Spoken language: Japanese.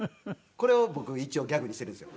これを僕一応ギャグにしているんですよ。